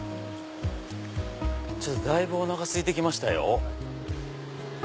だいぶおなかすいてきましたよ。